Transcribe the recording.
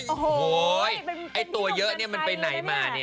โอ้โหไอ้ตัวเยอะเนี่ยมันไปไหนมานี่